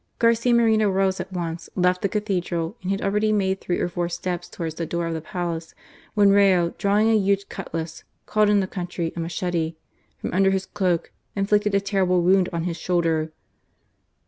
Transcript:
Garcia Moreno rose at once, left the Cathedral, and had already made three or four steps towards the door of the palace, when Rayo, drawing a huge cutlass (called in the country a machete) from under his cloak, inflicted a terrible wound on his shoulder.